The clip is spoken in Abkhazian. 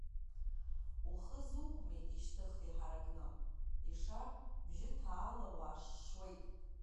Ухы зукми ишьҭых иҳаракны, ишар, бжьы ҭаала уашшуеит?